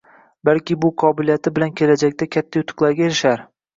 Balki bu qobiliyati bilan kelajakda katta yutuqlarga erishar?